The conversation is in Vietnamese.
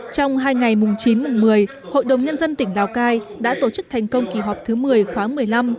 trong hai ngày mùng chín mùng một mươi hội đồng nhân dân tỉnh lào cai đã tổ chức thành công kỳ họp thứ một mươi khóa một mươi năm